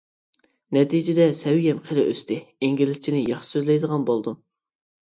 نەتىجىدە سەۋىيەم خېلى ئۆستى، ئىنگلىزچىنى ياخشى سۆزلەيدىغان بولدۇم.